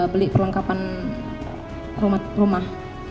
beli perlengkapan rumah